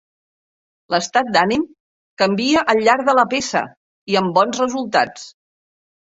L'estat d'ànim canvia al llarg de la peça i amb bons resultats.